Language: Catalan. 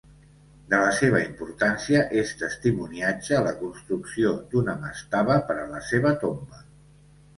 De la seva importància és testimoniatge la construcció d'una mastaba per a la seva tomba.